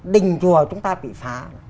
đình chùa chúng ta bị phá